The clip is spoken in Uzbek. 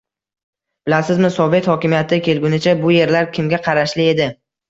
— Bilasizmi, sovet hokimiyati kelgunicha bu yerlar kimga qarashli edi?